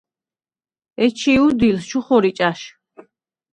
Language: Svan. ეჩი̄ უდილს ჩუ ხორი ჭა̈შ.